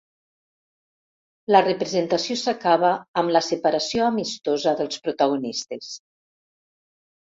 La representació s'acaba amb la separació amistosa dels protagonistes.